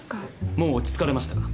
もう落ち着かれましたか？